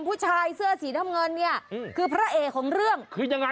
ผู้ชายเสื้อสีดำเงินเนี่ยคือพระเหกรามันขายแรกเรื่อง